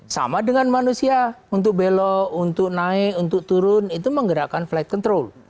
sama dengan manusia untuk belok untuk naik untuk turun itu menggerakkan flight control